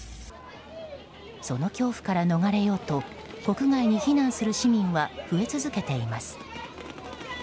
その恐怖から逃れようと国外に避難する市民は増え続けています。